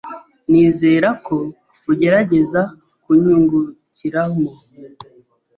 Nizera ko ugerageza kunyungukiramo.